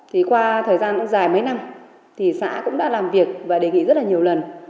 thì qua thời gian dài mấy năm xã cũng đã làm việc và đề nghị rất là nhiều lần